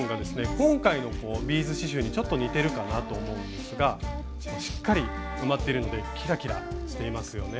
今回のビーズ刺しゅうにちょっと似てるかなと思うんですがしっかり埋まっているのでキラキラしていますよね。